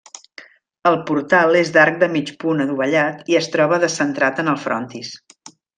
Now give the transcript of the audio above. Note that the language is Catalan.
El portal és d'arc de mig punt adovellat i es troba descentrat en el frontis.